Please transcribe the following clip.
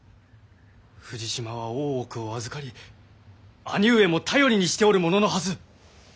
富士島は大奥を預かり兄上も頼りにしておる者のはず。